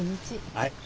はい。